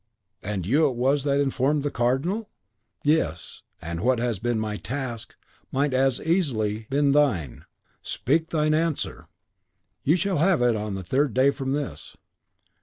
"And you it was that informed the Cardinal ?" "Yes; and what has been my task might as easily have been thine. Speak, thine answer!" "You shall have it on the third day from this."